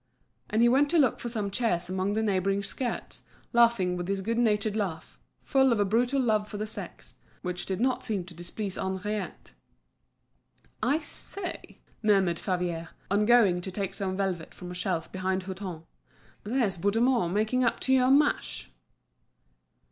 And he went to look for some chairs amongst the neighbouring skirts, laughing with his good natured laugh, full of a brutal love for the sex, which did not seem to displease Henriette. "I say," murmured Favier, on going to take some velvet from a shelf behind Hutin, "there's Bouthemont making up to your mash."